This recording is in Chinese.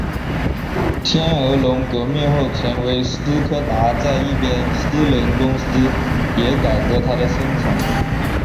天鹅绒革命后成为斯柯达在一边私人公司也改革它的生产。